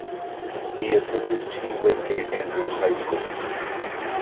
He attended T. Wingate Andrews High School.